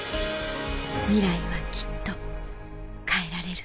ミライはきっと変えられる